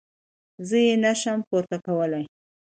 زه يې نه شم پورته کولاى.